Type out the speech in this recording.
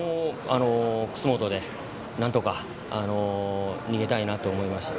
楠本でなんとか逃げたいなと思いました。